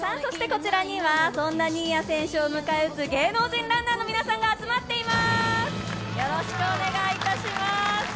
こちらには、そんな新谷選手を迎え撃つ芸能人ランナーの皆さんが集まっています。